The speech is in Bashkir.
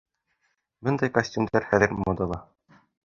Бындай костюмдар хәҙер модала